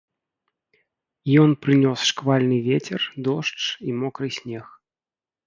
Ён прынёс шквальны вецер, дождж і мокры снег.